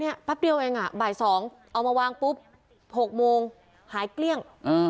แป๊บเดียวเองอ่ะบ่าย๒เอามาวางปุ๊บ๖โมงหายเกลี้ยง